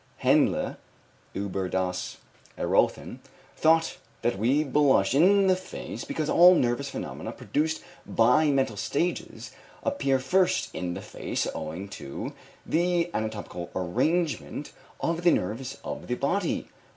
Henle (Ueber das Erröthen) thought that we blush in the face because all nervous phenomena produced by mental states appear first in the face, owing to the anatomical arrangement of the nerves of the body.